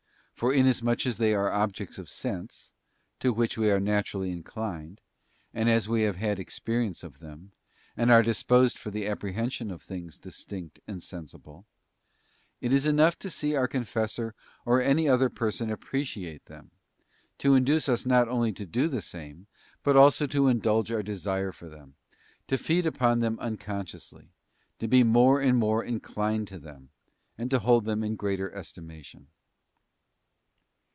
For inasmuch as they are objects of sense, to which we are naturally inclined, and as we have had experience of them, and are disposed for the apprehension of things distinct and sensible; it is enough to see our confessor or any other person appreciate them, to induce us not only to do the same, but also to indulge our desire for them, to feed upon them un consciously, to be more and more inclined to them, and to hold them in greater estimation.